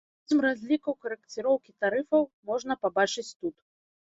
Механізм разліку карэкціроўкі тарыфаў можна пабачыць тут.